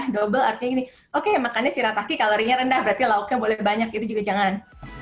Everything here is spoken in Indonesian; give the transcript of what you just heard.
double artinya gini oke makannya cerataki kalorinya rendah berarti lauknya boleh banyak itu juga jangan